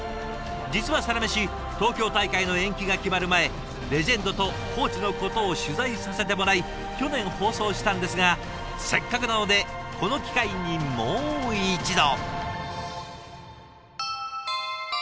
実は「サラメシ」東京大会の延期が決まる前レジェンドとコーチのことを取材させてもらい去年放送したんですがせっかくなのでこの機会にもう一度。